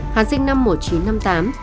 hà sinh năm một nghìn chín trăm năm mươi tám